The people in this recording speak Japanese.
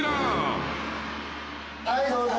はいどうぞ。